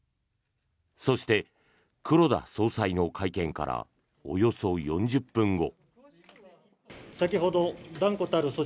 そして、黒田総裁の会見からおよそ４０分後。